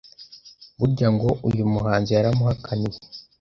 burya ngo uyu muhanzi yaramuhakaniye